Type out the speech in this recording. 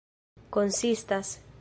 konsistas